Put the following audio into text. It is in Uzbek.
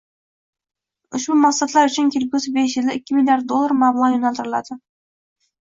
Ushbu maqsadlar uchun kelgusi besh yilda ikki milliard dollar mablag‘ yo‘naltiriladi.